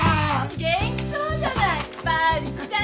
元気そうじゃない伴ちゃん！